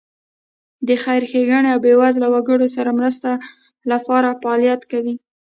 د خیر ښېګڼې او بېوزله وګړو سره مرستې لپاره فعالیت کوي.